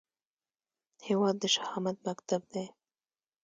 هیواد د شهامت مکتب دی